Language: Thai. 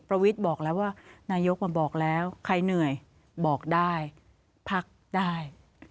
วิทย์บอกแล้วว่านายกมาบอกแล้วใครเหนื่อยบอกได้พักได้